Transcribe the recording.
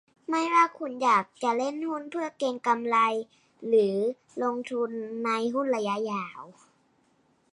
ไม่ว่าคุณอยากจะเล่นหุ้นเพื่อเก็งกำไร หรือลงทุนในหุ้นระยะยาว